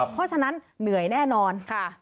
เพราะฉะนั้นเหนื่อยแน่นอน